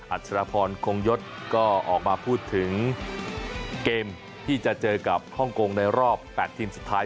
อัชรพรคงยศก็ออกมาพูดถึงเกมที่จะเจอกับฮ่องกงในรอบ๘ทีมสุดท้าย